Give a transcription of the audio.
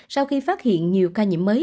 sau khi phát hiện nhiều ca nhiễm mới